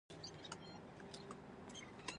باز د خپل مهارت ننداره نه کوي